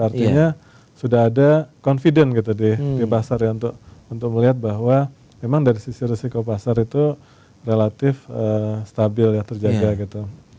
artinya sudah ada confident gitu di pasar ya untuk melihat bahwa memang dari sisi risiko pasar itu relatif stabil ya terjaga gitu